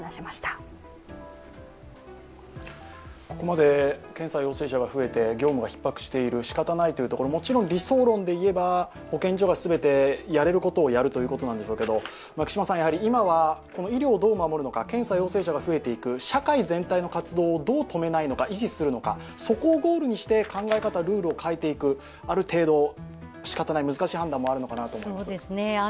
ここまで検査陽性者が増えて業務がひっ迫している、しかたないというところ、もちろん理想論でいえば、保健所が全てやれることをやるということなんでしょうけれども、今は医療をどう守るのか検査陽性者が増えていく、社会全体の活動をどう止めないのか、維持するのか、そこをゴールにして考え方、ルールを変えていく、ある程度しかたない、難しい判断もあるのかなと思います。